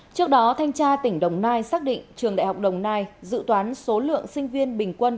trước đó thanh tra tỉnh đồng nai xác định trường đại học đồng nai dự toán số lượng sinh viên bình quân